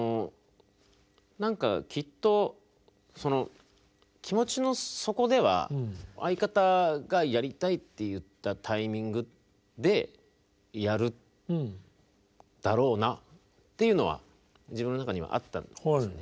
何かきっと気持ちの底では相方がやりたいって言ったタイミングでやるだろうなっていうのは自分の中にはあったんですよね。